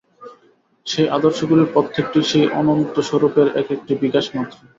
সেই আদর্শগুলির প্রত্যেকটিই সেই অনন্তস্বরূপের এক-একটি বিকাশ মাত্র।